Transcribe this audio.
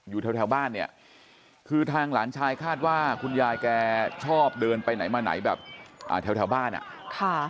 อยู่แถวบ้านเนี่ยคือทางหลานชายคาดว่าคุณยายแกชอบเดินไปไหนมาไหนแบบแถวบ้านอ่ะค่ะ